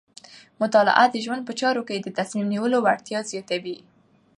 مطالعه د ژوند په چارو کې د تصمیم نیولو وړتیا زیاتوي.